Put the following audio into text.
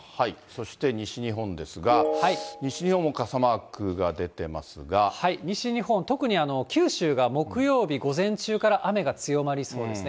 そして西日本ですが、西日本、特に九州が木曜日、午前中から雨が強まりそうですね。